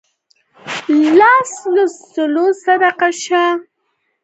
لس له سلو صدقه شه سل له زرو.